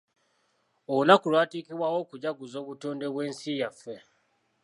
Olunaku lwateekebwawo okujaguza obutonde bw'ensi yaffe.